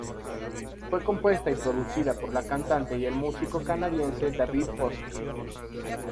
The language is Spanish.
Fue compuesta y producida por la cantante y el músico canadiense David Foster.